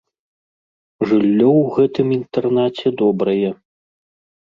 Жыллё ў гэтым інтэрнаце добрае.